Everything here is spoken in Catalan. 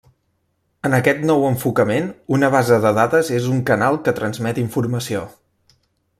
En aquest nou enfocament, una base de dades és un canal que transmet informació.